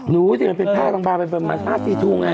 ดูจริงเป็นผ้าต่างป่าวเป็นผ้าสีทูงไง